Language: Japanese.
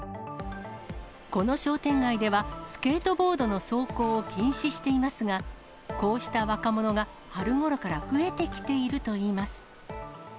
この商店街では、スケートボードの走行を禁止していますが、こうした若者が春ごろから増えてきているといいます。